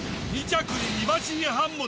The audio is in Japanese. ２着に。